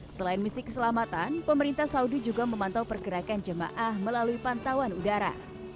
selain misi keselamatan pemerintah saudi juga memantau pergerakan jemaah melalui pantauan udara